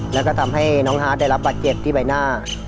แล้วก็ทำให้น้องฮาร์ดได้รับบาดเจ็บที่ใบหน้า